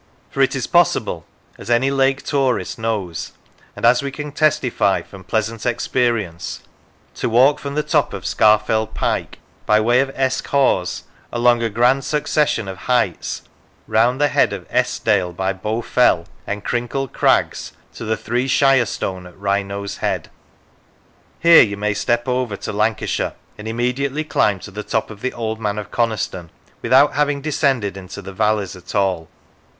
For it is possible, as any Lake tourist knows, and as we can testify from pleasant experience, to walk from the top of Scafell Pike by way of Esk Hause along a grand succession of heights round the head of Eskdale, by Bow Fell and Crinkle Crags, to the Three Shire Stone at Wrynose Head; here you may step over to Lancashire and immediately climb to the top of the Old Man of Coniston, without having descended into the valleys at all.